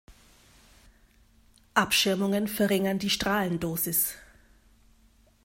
Abschirmungen verringern die Strahlendosis.